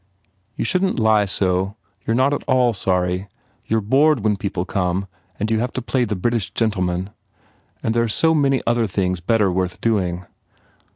"You shouldn t lie so. You re not at all sorry. You re bored when people come and you have to play the British gentleman. And there are so many other things better worth doing."